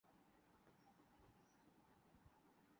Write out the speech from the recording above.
ایسا نہ ہوا۔